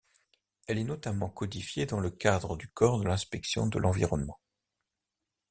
Elle est notamment codifiée dans le cadre du corps de l'inspection de l'environnement.